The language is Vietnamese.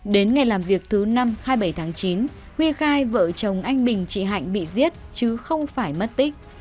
đến ngày làm việc thứ năm hai mươi bảy tháng chín huy khai vợ chồng anh bình chị hạnh bị giết chứ không phải mất tích